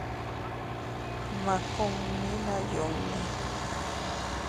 Gmakunni naa yunni.